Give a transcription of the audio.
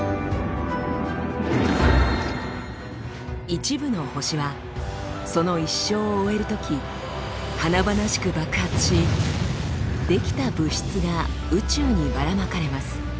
一部の星はその一生を終えるとき華々しく爆発し出来た物質が宇宙にばらまかれます。